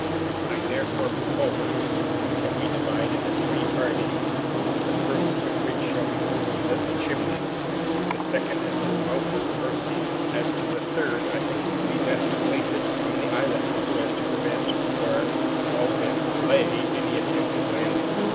I therefore propose that we divide into three parties. The first of which shall be posted at the Chimneys, the second at the mouth of the Mercy. As to the third, I think it would be best to place it on the islet, so as to prevent, or at all events delay, any attempt at landing.